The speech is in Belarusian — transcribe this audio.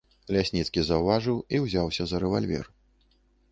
Лясніцкі заўважыў і ўзяўся за рэвальвер.